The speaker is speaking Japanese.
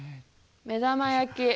目玉焼き。